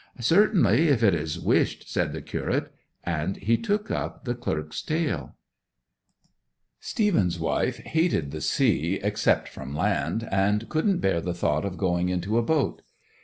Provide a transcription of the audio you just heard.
'Certainly, if it is wished,' said the curate. And he took up the clerk's tale:— 'Stephen's wife hated the sea, except from land, and couldn't bear the thought of going into a boat.